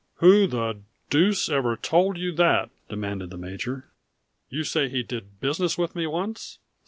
"Who the deuce ever told you that?" demanded the major. "You say he did business with me once?"